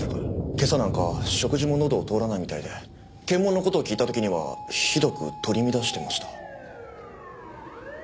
今朝なんか食事ものどを通らないみたいで検問の事を聞いた時にはひどく取り乱してました。